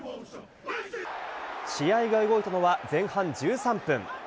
試合が動いたのは前半１３分。